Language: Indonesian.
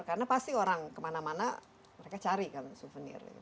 karena pasti orang kemana mana mereka cari kan souvenir